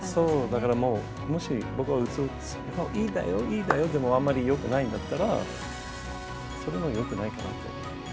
だからもし僕が、いいんだよ、いいんだよ、でもあんまりよくないんだったら、それはよくないかなと。